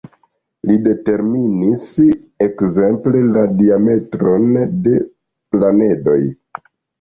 Li determinis ekzemple, la diametron de planedoj.